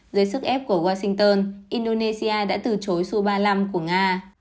dưới sức ép của washington indonesia đã từ chối su ba mươi năm của nga